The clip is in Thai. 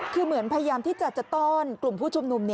คือเหมือนพยายามที่จะจะต้อนกลุ่มผู้ชุมนุม